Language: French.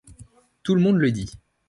Tout le monde le dit.